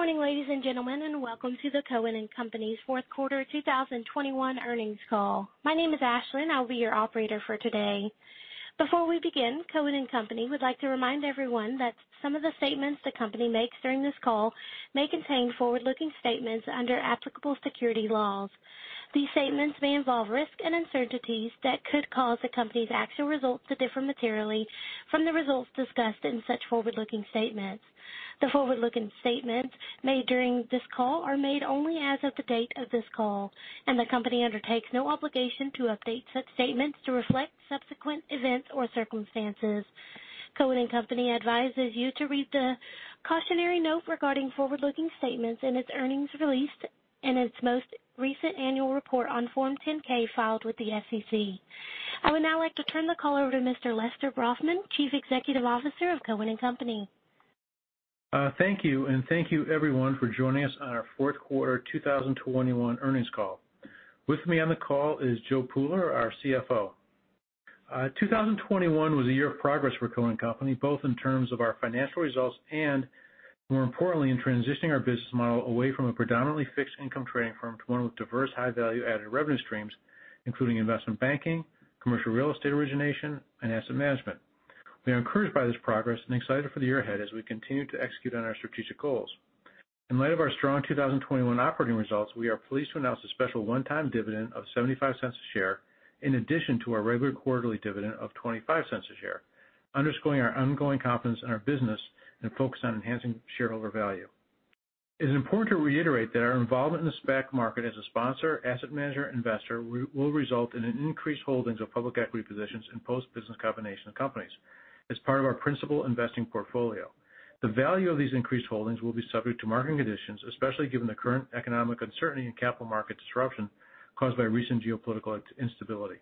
Good morning, ladies and gentlemen, and welcome to the Cohen & Company's fourth quarter 2021 earnings call. My name is Ashlyn. I'll be your operator for today. Before we begin, Cohen & Company would like to remind everyone that some of the statements the company makes during this call may contain forward-looking statements under applicable securities laws. These statements may involve risks and uncertainties that could cause the company's actual results to differ materially from the results discussed in such forward-looking statements. The forward-looking statements made during this call are made only as of the date of this call, and the company undertakes no obligation to update such statements to reflect subsequent events or circumstances. Cohen & Company advises you to read the cautionary note regarding forward-looking statements in its earnings release and its most recent annual report on Form 10-K filed with the SEC. I would now like to turn the call over to Mr. Lester Brafman, Chief Executive Officer of Cohen & Company. Thank you, and thank you everyone for joining us on our fourth quarter 2021 earnings call. With me on the call is Joe Pooler, our CFO. 2021 was a year of progress for Cohen & Company, both in terms of our financial results and more importantly, in transitioning our business model away from a predominantly fixed income trading firm to one with diverse high-value added revenue streams, including investment banking, commercial real estate origination, and asset management. We are encouraged by this progress and excited for the year ahead as we continue to execute on our strategic goals. In light of our strong 2021 operating results, we are pleased to announce a special one-time dividend of $0.75 a share in addition to our regular quarterly dividend of $0.25 a share, underscoring our ongoing confidence in our business and focus on enhancing shareholder value. It is important to reiterate that our involvement in the SPAC market as a sponsor, asset manager, and investor will result in an increased holdings of public equity positions in post-business combination companies as part of our principal investing portfolio. The value of these increased holdings will be subject to market conditions, especially given the current economic uncertainty and capital market disruption caused by recent geopolitical instability.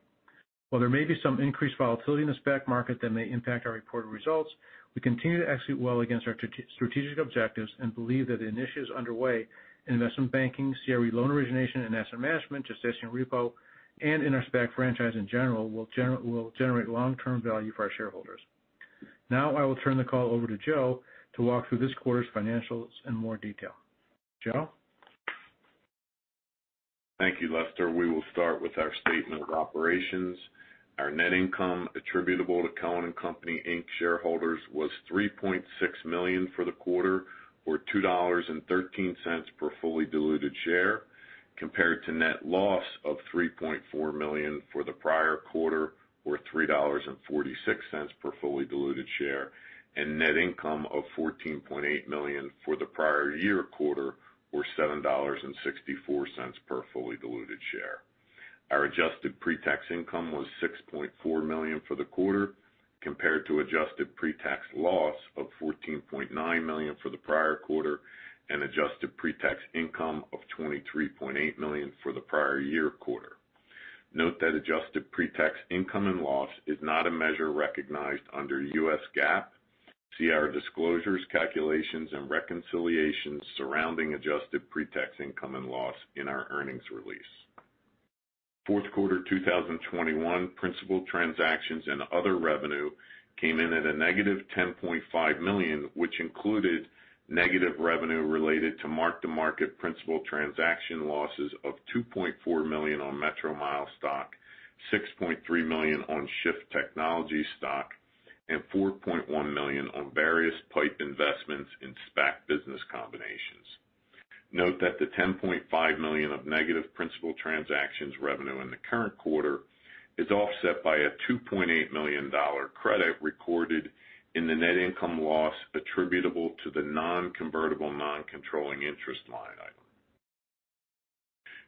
While there may be some increased volatility in the SPAC market that may impact our reported results, we continue to execute well against our strategic objectives and believe that the initiatives underway in investment banking, CRE loan origination and asset management, gestation repo, and in our SPAC franchise in general will generate long-term value for our shareholders. Now I will turn the call over to Joe to walk through this quarter's financials in more detail. Joe? Thank you, Lester. We will start with our statement of operations. Our net income attributable to Cohen & Company Inc shareholders was $3.6 million for the quarter, or $2.13 per fully diluted share, compared to net loss of $3.4 million for the prior quarter, or $3.46 per fully diluted share, and net income of $14.8 million for the prior year quarter, or $7.64 per fully diluted share. Our adjusted pre-tax income was $6.4 million for the quarter, compared to adjusted pre-tax loss of $14.9 million for the prior quarter and adjusted pre-tax income of $23.8 million for the prior year quarter. Note that adjusted pre-tax income and loss is not a measure recognized under U.S. GAAP. See our disclosures, calculations, and reconciliations surrounding adjusted pre-tax income and loss in our earnings release. Fourth quarter 2021 principal transactions and other revenue came in at a -$10.5 million, which included negative revenue related to mark-to-market principal transaction losses of $2.4 million on Metromile stock, $6.3 million on Shift Technologies stock, and $4.1 million on various PIPE investments in SPAC business combinations. Note that the $10.5 million of negative principal transactions revenue in the current quarter is offset by a $2.8 million credit recorded in the net income loss attributable to the non-convertible non-controlling interest line item.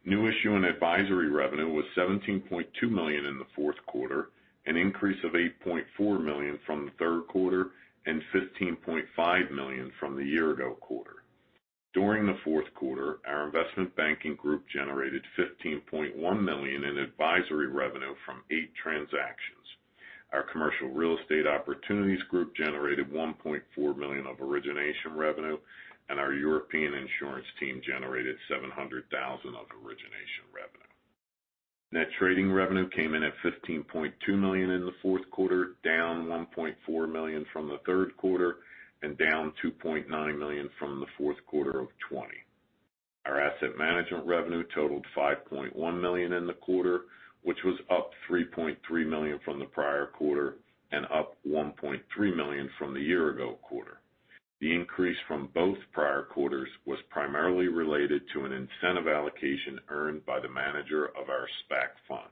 New issue and advisory revenue was $17.2 million in the fourth quarter, an increase of $8.4 million from the third quarter, and $15.5 million from the year-ago quarter. During the fourth quarter, our investment banking group generated $15.1 million in advisory revenue from eight transactions. Our commercial real estate opportunities group generated $1.4 million of origination revenue, and our European insurance team generated $700,000 of origination revenue. Net trading revenue came in at $15.2 million in the fourth quarter, down $1.4 million from the third quarter and down $2.9 million from the fourth quarter of 2020. Our asset management revenue totaled $5.1 million in the quarter, which was up $3.3 million from the prior quarter and up $1.3 million from the year-ago quarter. The increase from both prior quarters was primarily related to an incentive allocation earned by the manager of our SPAC Fund.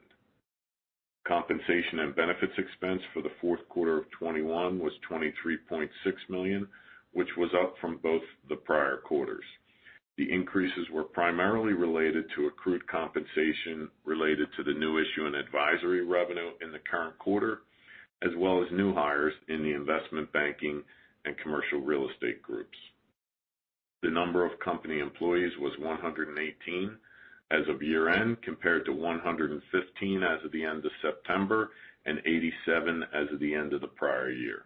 Compensation and benefits expense for the fourth quarter of 2021 was $23.6 million, which was up from both the prior quarters. The increases were primarily related to accrued compensation related to the new issue and advisory revenue in the current quarter, as well as new hires in the investment banking and commercial real estate groups. The number of company employees was 118 as of year-end, compared to 115 as of the end of September and 87 as of the end of the prior year.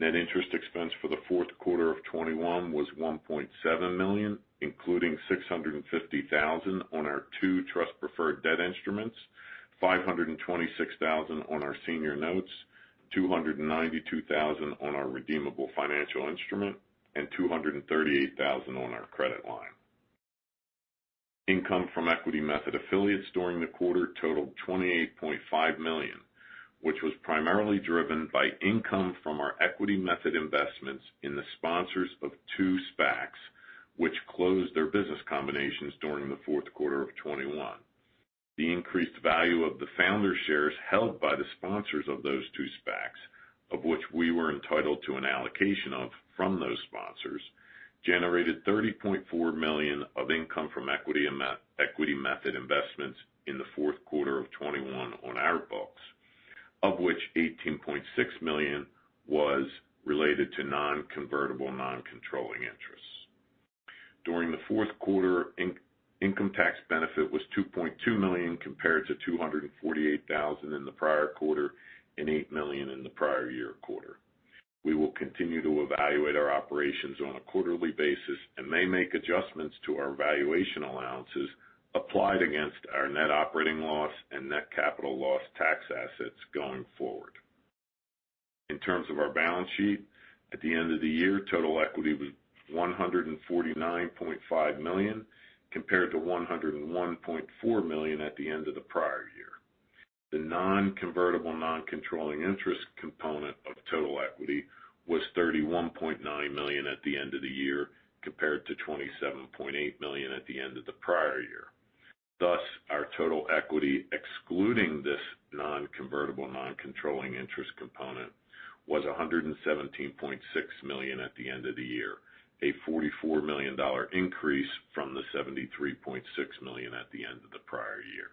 Net interest expense for the fourth quarter of 2021 was $1.7 million. Including $650,000 on our two trust preferred debt instruments, $526,000 on our senior notes, $292,000 on our redeemable financial instrument, and $238,000 on our credit line. Income from equity method affiliates during the quarter totaled $28.5 million, which was primarily driven by income from our equity method investments in the sponsors of two SPACs, which closed their business combinations during the fourth quarter of 2021. The increased value of the founder shares held by the sponsors of those two SPACs, of which we were entitled to an allocation of from those sponsors, generated $30.4 million of income from equity method investments in the fourth quarter of 2021 on our books, of which $18.6 million was related to non-convertible, non-controlling interests. During the fourth quarter, income tax benefit was $2.2 million compared to $248,000 in the prior quarter and $8 million in the prior year quarter. We will continue to evaluate our operations on a quarterly basis and may make adjustments to our valuation allowances applied against our net operating loss and net capital loss tax assets going forward. In terms of our balance sheet, at the end of the year, total equity was $149.5 million, compared to $101.4 million at the end of the prior year. The non-convertible non-controlling interest component of total equity was $31.9 million at the end of the year, compared to $27.8 million at the end of the prior year. Thus, our total equity, excluding this non-convertible non-controlling interest component, was $117.6 million at the end of the year, a $44 million increase from the $73.6 million at the end of the prior year.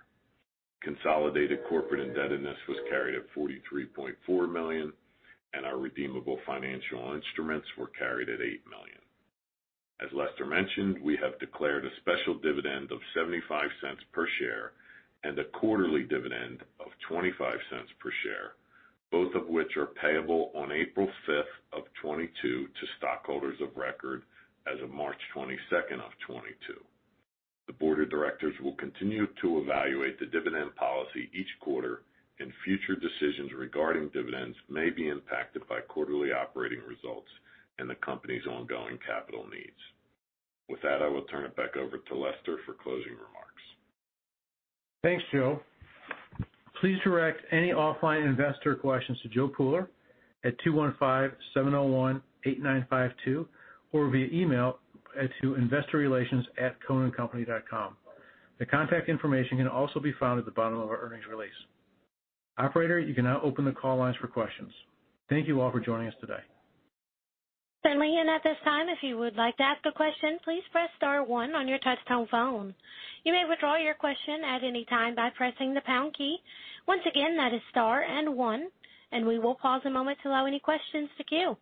Consolidated corporate indebtedness was carried at $43.4 million, and our redeemable financial instruments were carried at $8 million. As Lester mentioned, we have declared a special dividend of $0.75 per share and a quarterly dividend of $0.25 per share, both of which are payable on April 5th of 2022 to stockholders of record as of March 22nd of 2022. The Board of Directors will continue to evaluate the dividend policy each quarter, and future decisions regarding dividends may be impacted by quarterly operating results and the company's ongoing capital needs. With that, I will turn it back over to Lester for closing remarks. Thanks, Joe. Please direct any offline investor questions to Joe Pooler at 215-701-8952, or via email at investorrelations@cohenandcompany.com. The contact information can also be found at the bottom of our earnings release. Operator, you can now open the call lines for questions. Thank you all for joining us today. Certainly. At this time, if you would like to ask a question, please press star one on your touch-tone phone. You may withdraw your question at any time by pressing the pound key. Once again, that is star and one, and we will pause a moment to allow any questions to queue.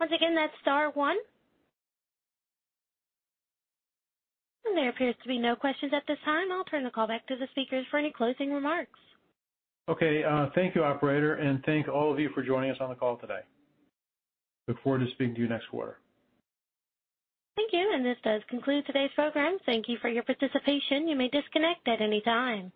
Once again, that's star one. There appears to be no questions at this time. I'll turn the call back to the speakers for any closing remarks. Okay, thank you, operator, and thank all of you for joining us on the call today. I look forward to speaking to you next quarter. Thank you, and this does conclude today's program. Thank you for your participation. You may disconnect at any time.